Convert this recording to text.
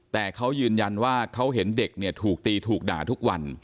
แต่เขายืนยันว่าเขาเห็นเด็กเนี่ยถูกตีถูกด่าทุกวัน